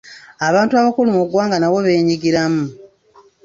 Abantu abakulu mu ggwanga nabo beenyigiramu.